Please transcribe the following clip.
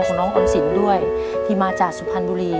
น้องออมสินด้วยที่มาจากสุพรรณบุรี